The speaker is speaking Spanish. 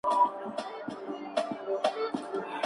Fue la penúltima de ocho hermanos.